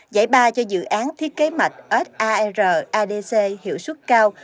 giải ba cho dự án thiết kế mạch sar adc hiệu suất cao